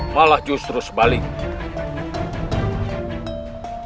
malah justru sebaliknya